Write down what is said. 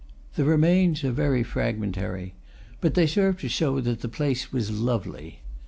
The remains are very fragmentary, but they serve to show that the place was lovely.